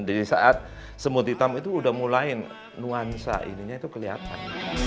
dari saat semua titam itu udah mulai nuansa ini itu kelihatan